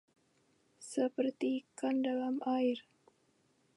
Seperti ikan dalam air